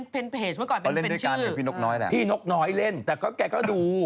พี่นกหน่อยเล่นแต่แกก็ดู